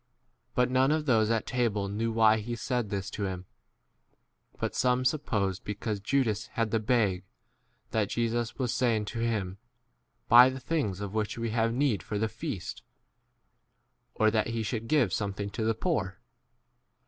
But none of those at table knew why he said 29 this to him ; but some supposed because Judas had the bag that Jesus was saying to him, Buy the things of which we have need for the feast ; or that he should give 30 something to the poor.